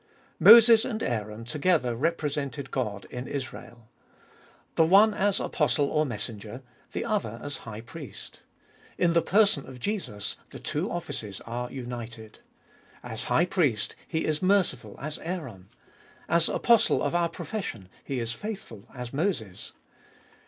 Moses and Aaron together represented God in Israel ; the 108 abe Iboliest or ail one as apostle or messenger, the other as high priest. In the person of Jesus the two offices are united. As High Priest He is merciful as Aaron ; as Apostle of our profession He is faithful as Moses.